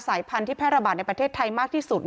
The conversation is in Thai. พันธุ์แพร่ระบาดในประเทศไทยมากที่สุด